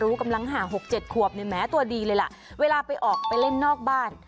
รู้กำลังหาหกเจ็ดขวบในแม้ตัวดีเลยล่ะเวลาไปออกไปเล่นนอกบ้าน